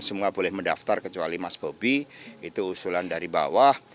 semua boleh mendaftar kecuali mas bobi itu usulan dari bawah